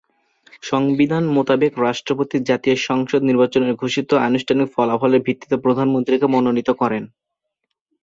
সংবিধান মোতাবেক রাষ্ট্রপতি জাতীয় সংসদ নির্বাচনের ঘোষিত আনুষ্ঠানিক ফলাফলের ভিত্তিতে প্রধানমন্ত্রীকে মনোনীত করেন।